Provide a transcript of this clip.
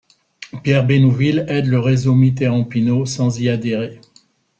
Pierre Bénouville aide le réseau Mitterrand-Pinot sans y adhérer.